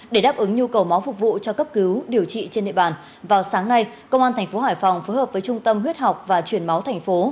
để đáp ứng nhu cầu máu phục vụ cho cấp cứu điều trị trên địa bàn vào sáng nay công an tp hải phòng phối hợp với trung tâm huyết học và truyền máu tp